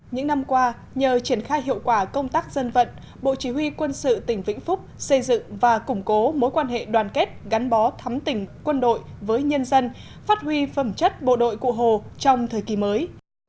những năm qua nhờ triển khai hiệu quả công tác dân vận bộ chỉ huy quân sự tỉnh vĩnh phúc xây dựng và củng cố mối quan hệ đoàn kết gắn bó thắm tỉnh quân đội với nhân dân phát huy phẩm chất bộ đội cụ hồ trong thời kỳ mới